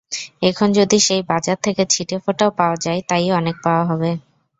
এখন যদি সেই বাজার থেকে ছিটেফোঁটাও পাওয়া যায়, তা-ই অনেক পাওয়া হবে।